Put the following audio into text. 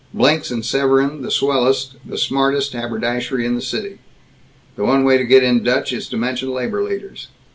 "Blinx and Severan the swellest the smartest haberdashery in the city. "The one way to get in Dutch is to mention labor leaders.